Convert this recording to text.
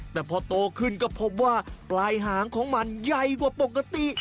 แต่พอโตขึ้นก็พบว่าปลายหางของมันใหญ่กว่าปกติ